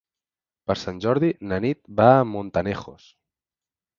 Per Sant Jordi na Nit va a Montanejos.